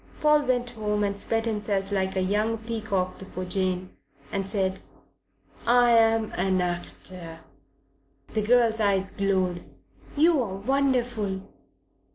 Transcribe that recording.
Paul went home and spread himself like a young peacock before Jane, and said: "I am an actor." The girl's eyes glowed. "You are wonderful."